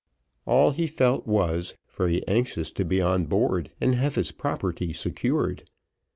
All he felt was, very anxious to be on board and have his property secured.